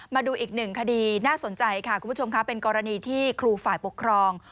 มาดูอีกหนึ่งคดีน่าสนใจค่ะคุณผู้ชมค่ะเป็นกรณีที่ครูฝ่ายปกครอง